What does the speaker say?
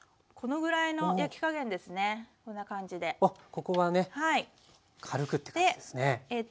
ここはね軽くって感じですね。